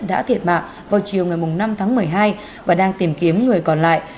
đã thiệt mạng vào chiều ngày năm tháng một mươi hai và đang tìm kiếm người còn lại